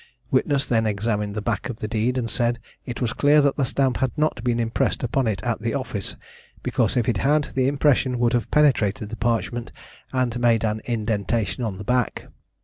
Witness then examined the back of the deed, and said, it was clear that the stamp had not been impressed upon it at the office, because if it had, the impression would have penetrated the parchment, and made an indention on the back.